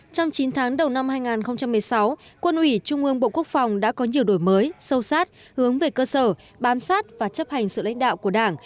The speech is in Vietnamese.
trong chín tháng đầu năm hai nghìn một mươi sáu quân ủy trung ương bộ quốc phòng đã có nhiều đổi mới sâu sát hướng về cơ sở bám sát và chấp hành sự lãnh đạo của đảng